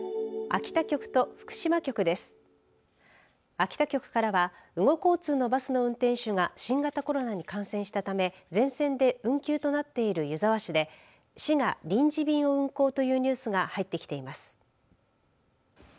秋田局からは羽後交通の運転手が新型コロナに感染したため全線で運休となっている湯沢市で市が臨時便を運行というニュースがきています。